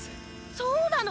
そうなの？